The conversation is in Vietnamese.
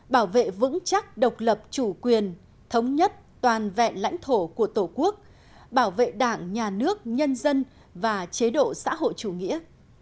bảo vệ vững chắc độc lập chủ quyền thống nhất toàn vẹn lãnh thổ của tổ quốc bảo vệ đảng nhà nước nhân dân và chế độ xã hội chủ nghĩa